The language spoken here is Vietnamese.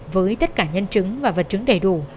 với tất cả nhân chứng và vật chứng đầy đủ